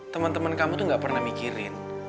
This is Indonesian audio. teman teman kamu tuh gak pernah mikirin